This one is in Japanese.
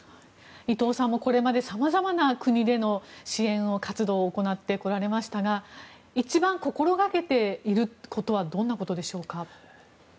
伊藤さんもこれまでさまざまな国での支援活動を行ってこられましたが一番心掛けていることはどんなことでしょうか？